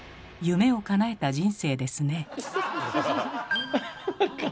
夢をかなえた人生ですね。